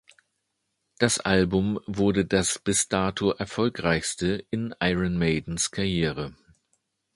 Das Album wurde das bis dato erfolgreichste in Iron Maidens Karriere.